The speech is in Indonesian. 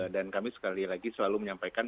dan kami sekali lagi selalu menyampaikan